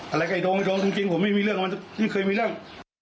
อะไรกับไอ้โดงโดงจริงผมไม่มีเรื่องกับมันที่เคยมีเรื่อง